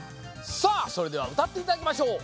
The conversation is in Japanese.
さあそれではうたっていただきましょう！